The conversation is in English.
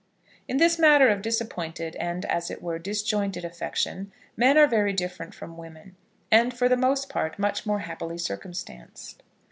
In this matter of disappointed and, as it were, disjointed affection, men are very different from women, and for the most part, much more happily circumstanced.